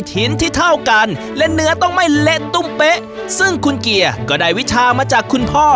ชิ้นที่เท่ากันและเนื้อต้องไม่เละตุ้มเป๊ะซึ่งคุณเกียร์ก็ได้วิชามาจากคุณพ่อ